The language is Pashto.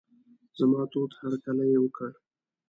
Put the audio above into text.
زما تود هرکلی یې وکړ.